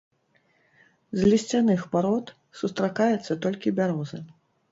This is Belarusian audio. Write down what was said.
З лісцяных парод сустракаецца толькі бяроза.